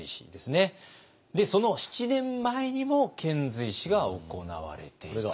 その７年前にも遣隋使が行われていた。